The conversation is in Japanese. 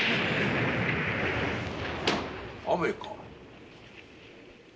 雨か？